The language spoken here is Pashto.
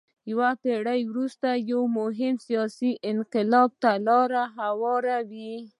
یوه پېړۍ وروسته یو مهم سیاسي انقلاب ته لار هواروي.